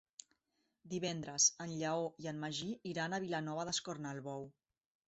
Divendres en Lleó i en Magí iran a Vilanova d'Escornalbou.